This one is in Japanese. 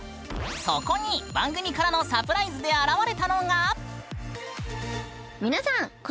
そこに番組からのサプライズで現れたのが。